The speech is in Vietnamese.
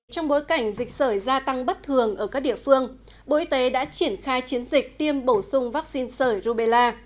trong bối cảnh dịch sởi gia tăng bất thường ở các địa phương bộ y tế đã triển khai chiến dịch tiêm bổ sung vaccine sởi rubella